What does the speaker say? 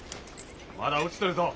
まだ落ちとるぞ。